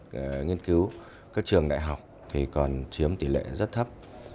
các nghiên cứu các trường đại học thì còn chiếm tỷ lệ rất thấp